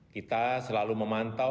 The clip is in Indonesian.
kita selalu memantau